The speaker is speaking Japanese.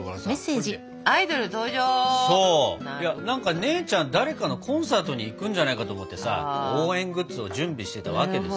何か姉ちゃん誰かのコンサートに行くんじゃないかと思ってさ応援グッズを準備してたわけですよ。